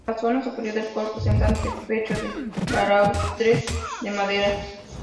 En la zona superior el coro presenta antepecho de balaustres de madera.